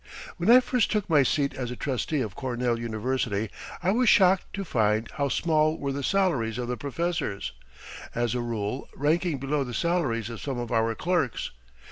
When I first took my seat as a trustee of Cornell University, I was shocked to find how small were the salaries of the professors, as a rule ranking below the salaries of some of our clerks.